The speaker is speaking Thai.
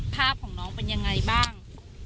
ภาพของน้องเป็นยังไงบ้าง